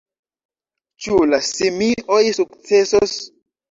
Ĉu la simioj sukcesos?